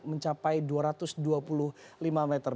mencapai dua ratus dua puluh lima meter